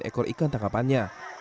sebuah ekor ikan tangkapannya